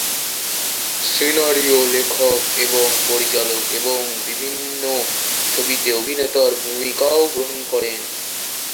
সিনারিয়ো-লেখক ও পরিচালক এবং বিভিন্ন ছবিতে অভিনেতার ভূমিকাও গ্রহণ করেন।